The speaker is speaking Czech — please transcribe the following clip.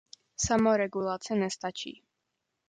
Samoregulace nestačí.